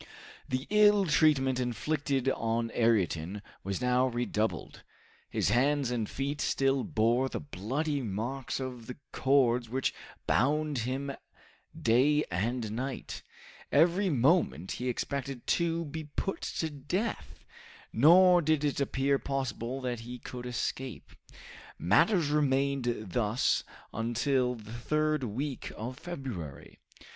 The ill treatment inflicted on Ayrton was now redoubled. His hands and feet still bore the bloody marks of the cords which bound him day and night. Every moment he expected to be put to death, nor did it appear possible that he could escape. Matters remained thus until the third week of February.